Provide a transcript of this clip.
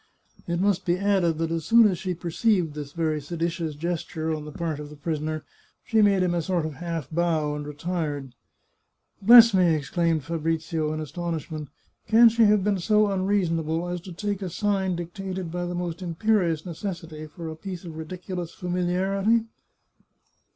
It must be added that as soon as she perceived this very seditious gesture on the part of the prisoner, she made him a sort of half bow, and retired. " Bless me !" exclaimed Fabrizio in astonishment. " Can she have been so unreasonable as to take a sig^ dic tated by the most imperious necessity for a piece of ridicu lous familiarity?